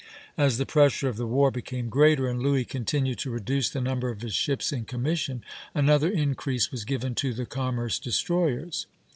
As the pressure of the war became greater, and Louis continued to reduce the number of his ships in commission, another increase was given to the commerce destroyers.